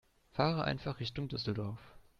Fahre einfach Richtung Düsseldorf